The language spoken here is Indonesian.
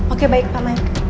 oke baik pak mike